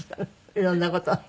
いろんな事をね。